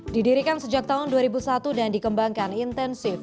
didirikan sejak tahun dua ribu satu dan dikembangkan intensif